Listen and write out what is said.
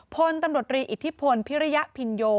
พลตำรวจรีอิทธิพลพิริยพินโย